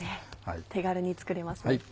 手軽に作れますね。